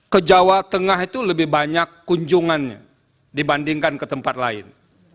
ke jawa tengah itu lebih banyak kunjungannya dibandingkan ke tempat lain